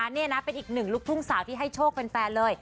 นี่นะเป็นอีกหนึ่งลูกทุ่งสาวที่ให้โชคเป็นแฟนเลย